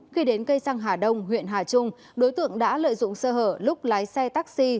khi đến cây xăng hà đông huyện hà trung đối tượng đã lợi dụng sơ hở lúc lái xe taxi